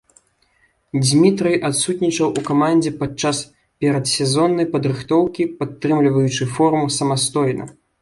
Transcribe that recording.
Дзмітрый адсутнічаў у камандзе падчас перадсезоннай падрыхтоўкі, падтрымліваючы форму самастойна.